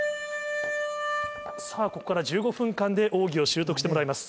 ここから１５分間で奥義を習得してもらいます。